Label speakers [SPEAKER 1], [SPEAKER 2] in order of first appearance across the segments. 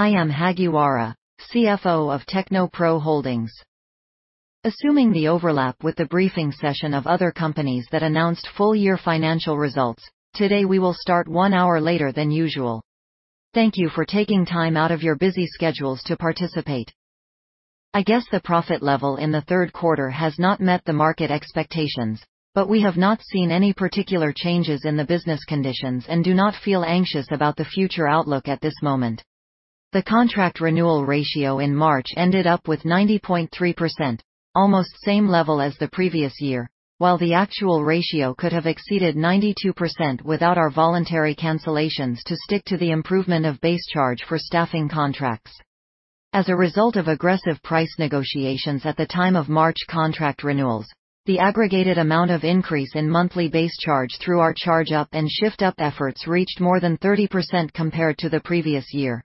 [SPEAKER 1] I am Hagiwara, CFO of TechnoPro Holdings. Assuming the overlap with the briefing session of other companies that announced full-year financial results, today we will start one hour later than usual. Thank you for taking time out of your busy schedules to participate. I guess the profit level in the 3rd quarter has not met the market expectations. We have not seen any particular changes in the business conditions and do not feel anxious about the future outlook at this moment. The contract renewal ratio in March ended up with 90.3%, almost same level as the previous year, while the actual ratio could have exceeded 92% without our voluntary cancellations to stick to the improvement of base charge for staffing contracts. As a result of aggressive price negotiations at the time of March contract renewals, the aggregated amount of increase in monthly base charge through our charge-up and shift-up efforts reached more than 30% compared to the previous year.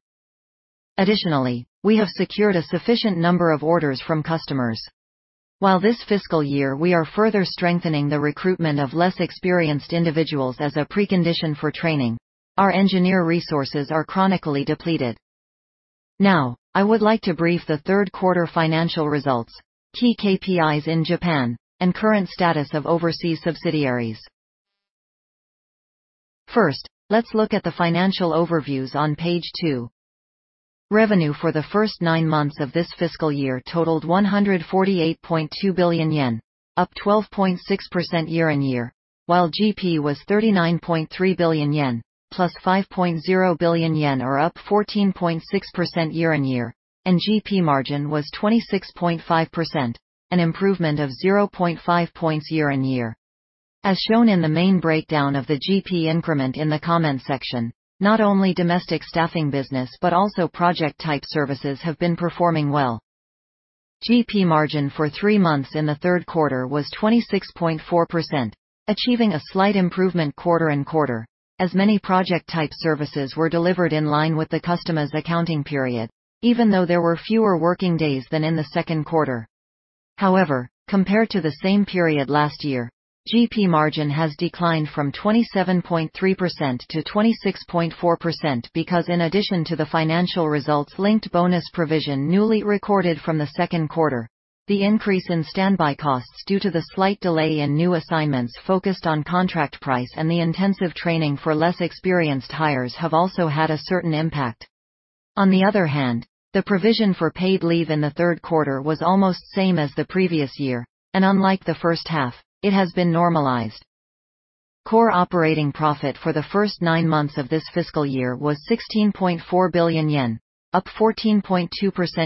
[SPEAKER 1] Additionally, we have secured a sufficient number of orders from customers. While this fiscal year we are further strengthening the recruitment of less experienced individuals as a precondition for training, our engineer resources are chronically depleted. Now, I would like to brief the third quarter financial results, key KPIs in Japan, and current status of overseas subsidiaries. First, let's look at the financial overviews on page two. Revenue for the first nine months of this fiscal year totaled 148.2 billion yen, up 12.6% year-on-year, while GP was 39.3 billion yen, plus 5.0 billion yen or up 14.6% year-on-year, and GP margin was 26.5%, an improvement of 0.5 points year-on-year. As shown in the main breakdown of the GP increment in the comment section, not only domestic staffing business but also project-type services have been performing well. GP margin for three months in the third quarter was 26.4%, achieving a slight improvement quarter-on-quarter, as many project-type services were delivered in line with the customer's accounting period, even though there were fewer working days than in the second quarter. However, compared to the same period last year, GP margin has declined from 27.3% to 26.4% because in addition to the financial results-linked bonus provision newly recorded from the second quarter, the increase in standby costs due to the slight delay in new assignments focused on contract price and the intensive training for less experienced hires have also had a certain impact. On the other hand, the provision for paid leave in the third quarter was almost same as the previous year, and unlike the first half, it has been normalized. Core operating profit for the first nine months of this fiscal year was 16.4 billion yen, up 14.2%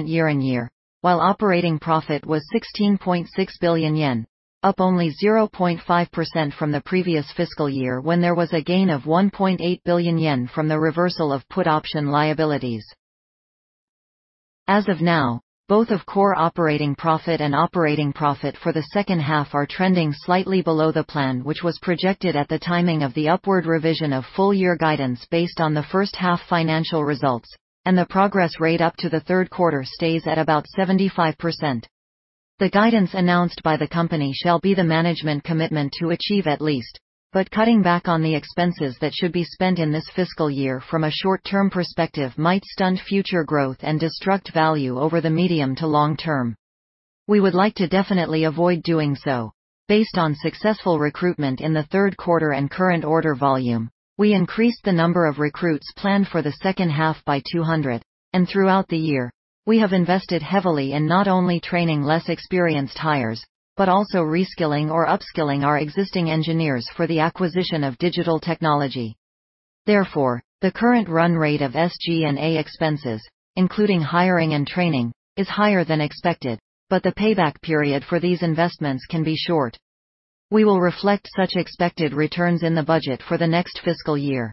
[SPEAKER 1] year-on-year, while operating profit was 16.6 billion yen, up only 0.5% from the previous fiscal year when there was a gain of 1.8 billion yen from the reversal of put option liabilities. As of now, both Core operating profit and operating profit for the second half are trending slightly below the plan which was projected at the timing of the upward revision of full year guidance based on the first half financial results, and the progress rate up to the third quarter stays at about 75%. The guidance announced by the company shall be the management commitment to achieve at least, but cutting back on the expenses that should be spent in this fiscal year from a short-term perspective might stunt future growth and destruct value over the medium to long term. We would like to definitely avoid doing so. Based on successful recruitment in the third quarter and current order volume, we increased the number of recruits planned for the second half by 200, and throughout the year, we have invested heavily in not only training less experienced hires but also reskilling or upskilling our existing engineers for the acquisition of digital technology. Therefore, the current run rate of SG&A expenses, including hiring and training, is higher than expected, but the payback period for these investments can be short. We will reflect such expected returns in the budget for the next fiscal year.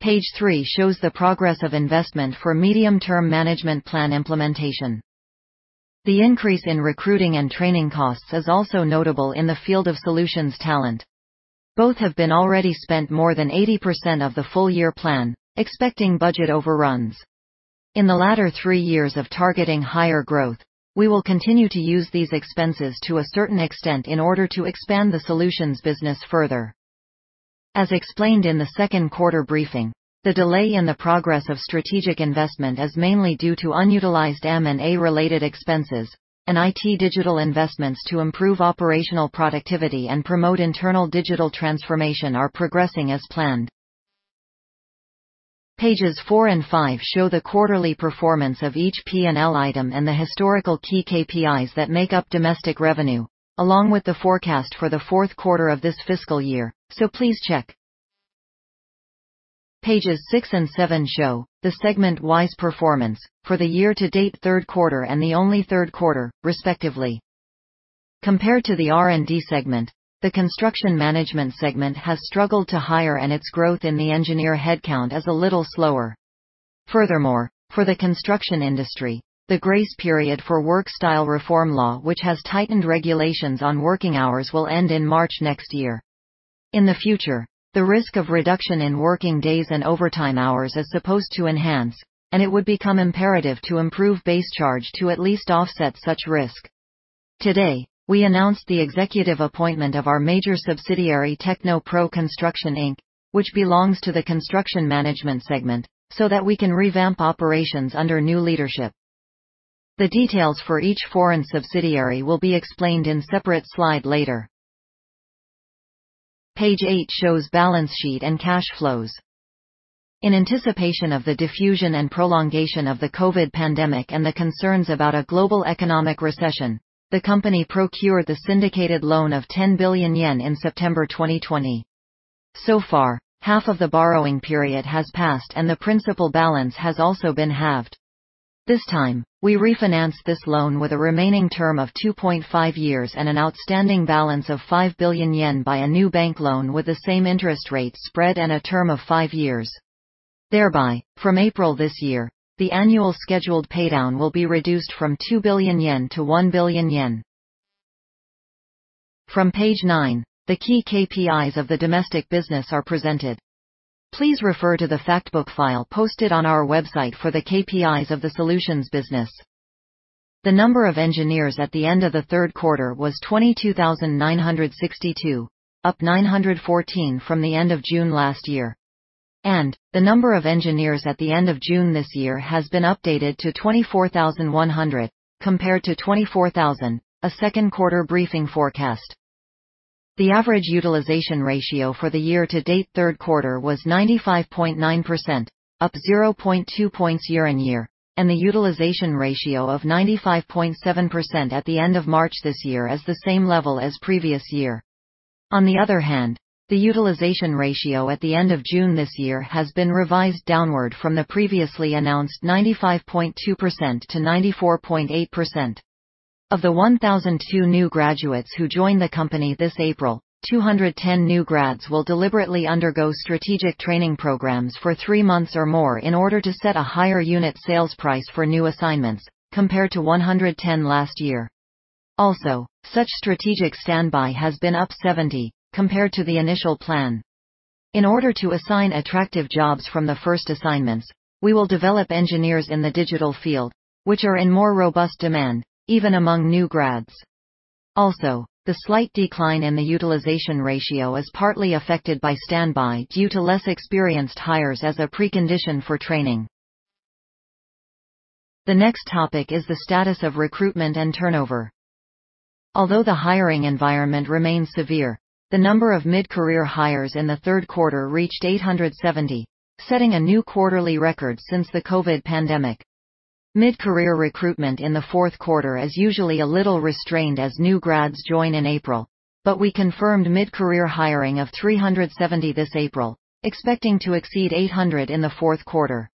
[SPEAKER 1] Page three shows the progress of investment for medium-term management plan implementation. The increase in recruiting and training costs is also notable in the field of solutions talent. Both have been already spent more than 80% of the full year plan, expecting budget overruns. In the latter three years of targeting higher growth, we will continue to use these expenses to a certain extent in order to expand the solutions business further. As explained in the second quarter briefing, the delay in the progress of strategic investment is mainly due to unutilized M&A-related expenses, IT digital investments to improve operational productivity and promote internal digital transformation are progressing as planned. Pages four and five show the quarterly performance of each P&L item and the historical key KPIs that make up domestic revenue, along with the forecast for the fourth quarter of this fiscal year, please check. Pages six and seven show the segment-wise performance for the year-to-date 3rd quarter and the only 3rd quarter, respectively. Compared to the R&D segment, the Construction Management segment has struggled to hire and its growth in the engineer headcount is a little slower. For the construction industry, the grace period for Work Style Reform Law which has tightened regulations on working hours will end in March next year. In the future, the risk of reduction in working days and overtime hours is supposed to enhance, and it would become imperative to improve base charge to at least offset such risk. Today, we announced the executive appointment of our major subsidiary, TechnoPro Construction, Inc., which belongs to the Construction Management segment, so that we can revamp operations under new leadership. The details for each foreign subsidiary will be explained in separate slide later. Page eight shows balance sheet and cash flows. In anticipation of the diffusion and prolongation of the COVID pandemic and the concerns about a global economic recession, the company procured the syndicated loan of 10 billion yen in September 2020. So far, half of the borrowing period has passed, and the principal balance has also been halved. This time, we refinanced this loan with a remaining term of 2.5 years and an outstanding balance of 5 billion yen by a new bank loan with the same interest rate spread and a term of five years. Thereby, from April this year, the annual scheduled paydown will be reduced from 2 billion yen to 1 billion yen. From page nine, the key KPIs of the domestic business are presented. Please refer to the fact book file posted on our website for the KPIs of the solutions business. The number of engineers at the end of the third quarter was 22,962, up 914 from the end of June last year. The number of engineers at the end of June this year has been updated to 24,100 compared to 24,000, a second quarter briefing forecast. The average utilization ratio for the year-to-date third quarter was 95.9%, up 0.2 points year-on-year, and the utilization ratio of 95.7% at the end of March this year is the same level as previous year. On the other hand, the utilization ratio at the end of June this year has been revised downward from the previously announced 95.2% to 94.8%. Of the 1,002 new graduates who joined the company this April, 210 new grads will deliberately undergo strategic training programs for three months or more in order to set a higher unit sales price for new assignments compared to 110 last year. Such strategic standby has been up 70 compared to the initial plan. In order to assign attractive jobs from the first assignments, we will develop engineers in the digital field, which are in more robust demand even among new grads. The slight decline in the utilization ratio is partly affected by standby due to less experienced hires as a precondition for training. The next topic is the status of recruitment and turnover. Although the hiring environment remains severe, the number of mid-career hires in the third quarter reached 870, setting a new quarterly record since the COVID pandemic. Mid-career recruitment in the fourth quarter is usually a little restrained as new grads join in April, but we confirmed mid-career hiring of 370 this April, expecting to exceed 800 in the fourth quarter.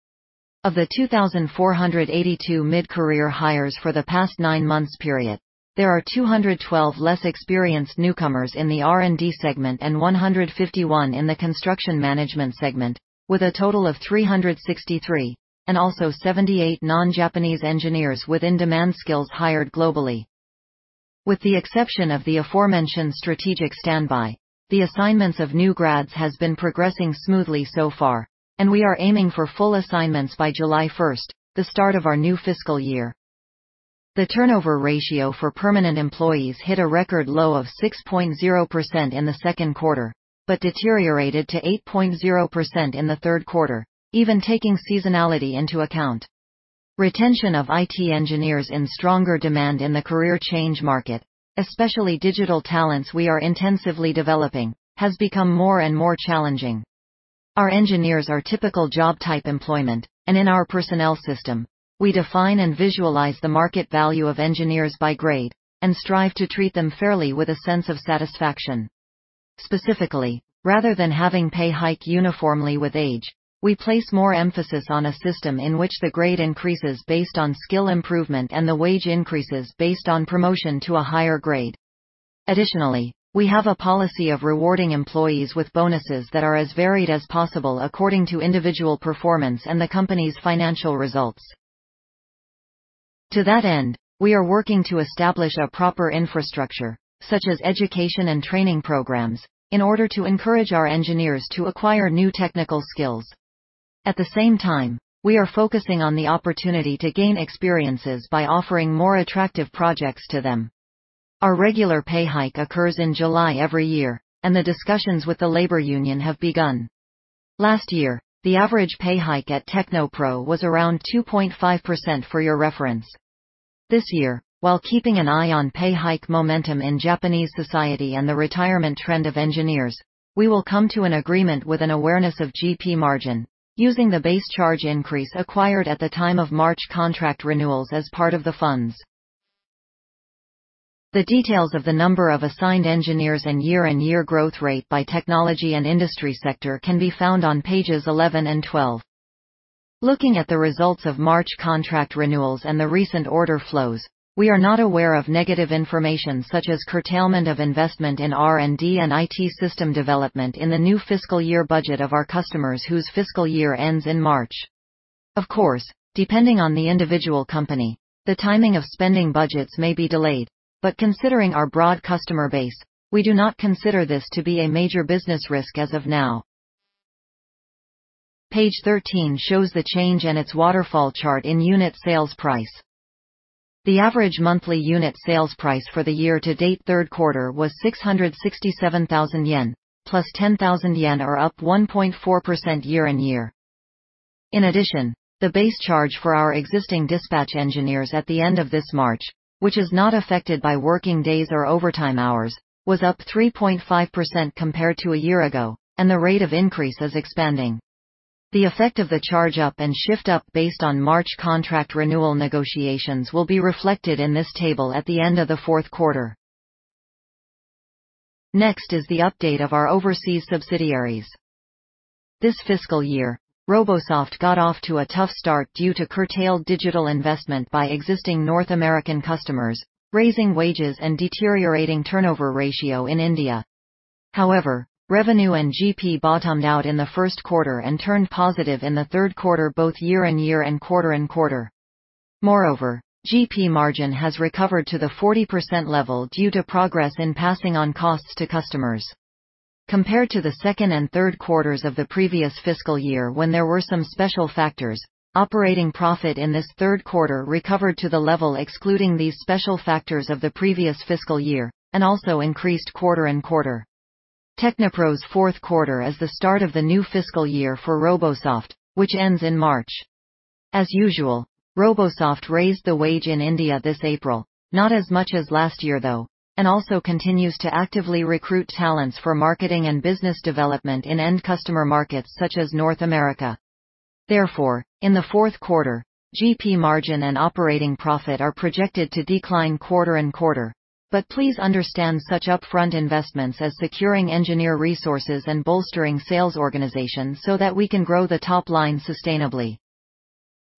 [SPEAKER 1] Of the 2,482 mid-career hires for the past nine months period, there are 212 less experienced newcomers in the R&D segment and 151 in the Construction Management segment, with a total of 363, and also 78 non-Japanese engineers with in-demand skills hired globally. With the exception of the aforementioned strategic standby, the assignments of new grads has been progressing smoothly so far, and we are aiming for full assignments by July 1st, the start of our new fiscal year. The turnover ratio for permanent employees hit a record low of 6.0% in the second quarter, but deteriorated to 8.0% in the third quarter, even taking seasonality into account. Retention of IT engineers in stronger demand in the career change market, especially digital talents we are intensively developing, has become more and more challenging. Our engineers are typical job-type employment, and in our personnel system, we define and visualize the market value of engineers by grade and strive to treat them fairly with a sense of satisfaction. Specifically, rather than having pay hike uniformly with age, we place more emphasis on a system in which the grade increases based on skill improvement and the wage increases based on promotion to a higher grade. Additionally, we have a policy of rewarding employees with bonuses that are as varied as possible according to individual performance and the company's financial results. To that end, we are working to establish a proper infrastructure, such as education and training programs, in order to encourage our engineers to acquire new technical skills. At the same time, we are focusing on the opportunity to gain experiences by offering more attractive projects to them. Our regular pay hike occurs in July every year, and the discussions with the labor union have begun. Last year, the average pay hike at TechnoPro was around 2.5% for your reference. This year, while keeping an eye on pay hike momentum in Japanese society and the retirement trend of engineers, we will come to an agreement with an awareness of GP margin using the base charge increase acquired at the time of March contract renewals as part of the funds. The details of the number of assigned engineers and year-on-year growth rate by technology and industry sector can be found on pages 11 and 12. Looking at the results of March contract renewals and the recent order flows, we are not aware of negative information such as curtailment of investment in R&D and IT system development in the new fiscal year budget of our customers whose fiscal year ends in March. Of course, depending on the individual company, the timing of spending budgets may be delayed. Considering our broad customer base, we do not consider this to be a major business risk as of now. Page 13 shows the change and its waterfall chart in unit sales price. The average monthly unit sales price for the year to date third quarter was 667,000 yen, + 10,000 yen or up 1.4% year-on-year. In addition, the base charge for our existing dispatch engineers at the end of this March, which is not affected by working days or overtime hours, was up 3.5% compared to a year ago, and the rate of increase is expanding. The effect of the charge up and shift up based on March contract renewal negotiations will be reflected in this table at the end of the fourth quarter. The update of our overseas subsidiaries. This fiscal year, Robosoft got off to a tough start due to curtailed digital investment by existing North American customers, raising wages and deteriorating turnover ratio in India. Revenue and GP bottomed out in the first quarter and turned positive in the third quarter, both year-on-year and quarter-on-quarter. GP margin has recovered to the 40% level due to progress in passing on costs to customers. Compared to the second and third quarters of the previous fiscal year when there were some special factors, operating profit in this third quarter recovered to the level excluding these special factors of the previous fiscal year and also increased quarter-on-quarter. TechnoPro's fourth quarter is the start of the new fiscal year for Robosoft, which ends in March. As usual, Robosoft raised the wage in India this April, not as much as last year, though, and also continues to actively recruit talents for marketing and business development in end customer markets such as North America. Therefore, in the fourth quarter, GP margin and operating profit are projected to decline quarter-on-quarter. Please understand such upfront investments as securing engineer resources and bolstering sales organizations so that we can grow the top line sustainably.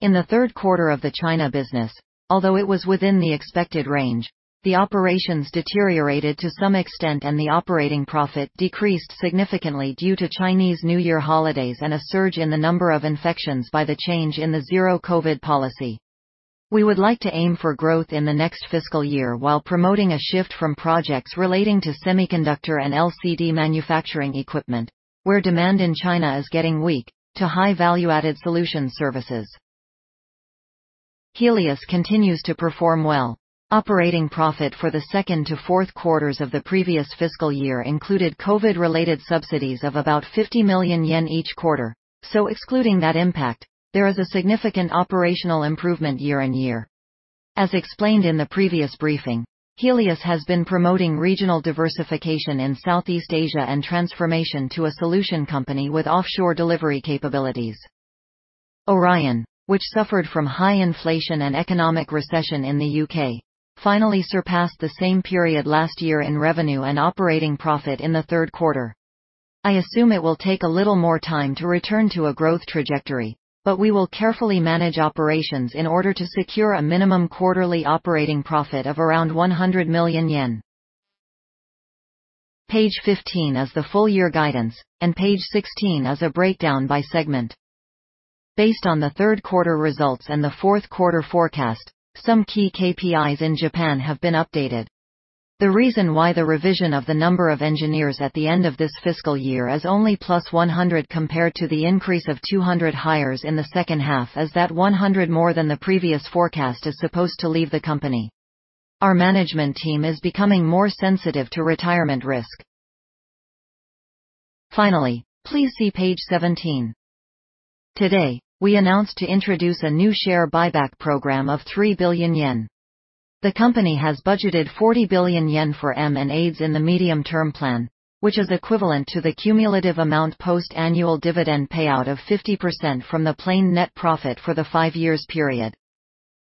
[SPEAKER 1] In the third quarter of the China business, although it was within the expected range, the operations deteriorated to some extent and the operating profit decreased significantly due to Chinese New Year holidays and a surge in the number of infections by the change in the zero-COVID policy. We would like to aim for growth in the next fiscal year while promoting a shift from projects relating to semiconductor and LCD manufacturing equipment, where demand in China is getting weak, to high value-added solution services. Helius continues to perform well. Operating profit for the second to fourth quarters of the previous fiscal year included COVID-related subsidies of about 50 million yen each quarter. Excluding that impact, there is a significant operational improvement year-on-year. As explained in the previous briefing, Helius has been promoting regional diversification in Southeast Asia and transformation to a solution company with offshore delivery capabilities. Orion, which suffered from high inflation and economic recession in the U.K., finally surpassed the same period last year in revenue and operating profit in the third quarter. I assume it will take a little more time to return to a growth trajectory, but we will carefully manage operations in order to secure a minimum quarterly operating profit of around 100 million yen. Page 15 is the full year guidance, and page 16 is a breakdown by segment. Based on the third quarter results and the fourth quarter forecast, some key KPIs in Japan have been updated. The reason why the revision of the number of engineers at the end of this fiscal year is only +100 compared to the increase of 200 hires in the second half is that 100 more than the previous forecast is supposed to leave the company. Our management team is becoming more sensitive to retirement risk. Please see page 17. Today, we announced to introduce a new share buyback program of 3 billion yen. The company has budgeted 40 billion yen for M&A in the medium-term plan, which is equivalent to the cumulative amount post annual dividend payout of 50% from the plain net profit for the five years period.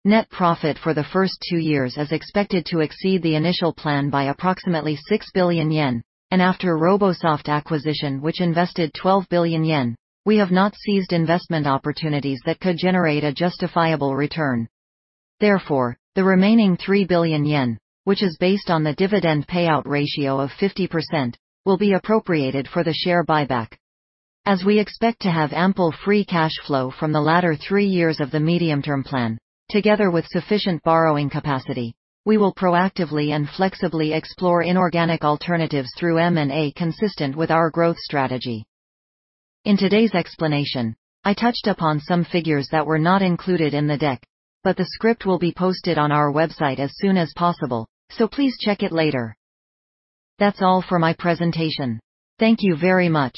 [SPEAKER 1] Net profit for the first 2 years is expected to exceed the initial plan by approximately 6 billion yen. After Robosoft acquisition, which invested 12 billion yen, we have not seized investment opportunities that could generate a justifiable return. Therefore, the remaining 3 billion yen, which is based on the dividend payout ratio of 50%, will be appropriated for the share buyback. As we expect to have ample free cash flow from the latter three years of the medium-term plan, together with sufficient borrowing capacity, we will proactively and flexibly explore inorganic alternatives through M&A consistent with our growth strategy. In today's explanation, I touched upon some figures that were not included in the deck, but the script will be posted on our website as soon as possible, so please check it later. That's all for my presentation. Thank you very much.